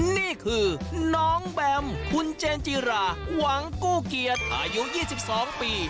นี่คือน้องแบมคุณเจนจิราหวังกู้เกียรติอายุ๒๒ปี